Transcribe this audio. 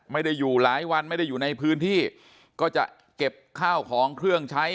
อยู่หลายวันไม่ได้อยู่ในพื้นที่ก็จะเก็บข้าวของเครื่องใช้